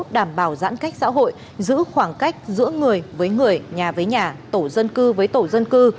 đảm bảo giãn cách xã hội giữ khoảng cách giữa người với người nhà với nhà tổ dân cư với tổ dân cư